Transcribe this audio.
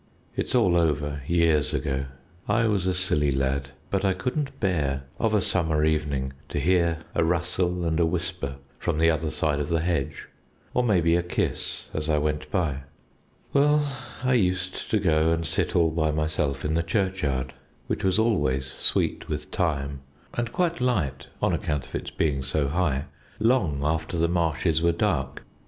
It's all over, years ago. I was a silly lad; but I couldn't bear of a summer evening to hear a rustle and a whisper from the other side of the hedge, or maybe a kiss as I went by. "Well, I used to go and sit all by myself in the churchyard, which was always sweet with thyme, and quite light (on account of its being so high) long after the marshes were dark.